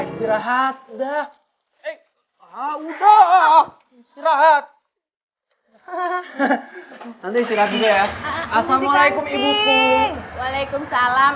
istirahat udah udah istirahat tante istirahat dulu ya assalamualaikum ibu tung waalaikumsalam